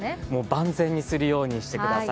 万全にするようにしてください。